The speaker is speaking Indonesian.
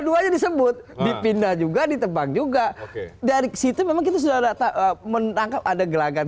dua disebut dipindah juga ditebang juga dari situ mungkin sudah data menangkap ada gelagat